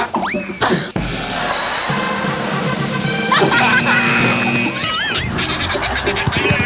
พร้อม